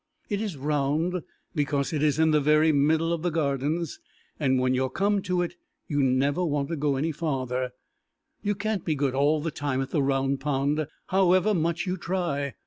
It is round because it is in the very middle of the Gardens, and when you are come to it you never want to go any farther. You can't be good all the time at the Round Pond, however much you try.